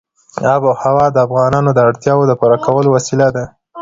آب وهوا د افغانانو د اړتیاوو د پوره کولو وسیله ده.